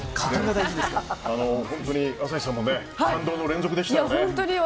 本当に朝日さんも感動の連続でしたね。